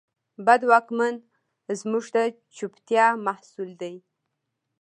بد واکمن زموږ د چوپتیا محصول دی.